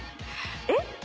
えっ？